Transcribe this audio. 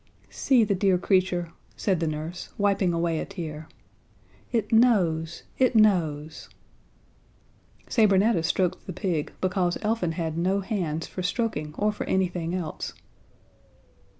"See the dear creature," said the nurse, wiping away a tear. "It knows, it knows!" Sabrinetta stroked the pig, because Elfin had no hands for stroking or for anything else.